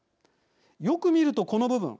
よく見ると、この部分。